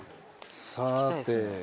さて。